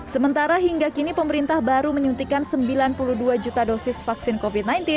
sementara hingga kini pemerintah baru menyuntikkan sembilan puluh dua juta dosis vaksin covid sembilan belas